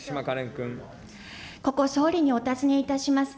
ここ、総理にお尋ねいたします。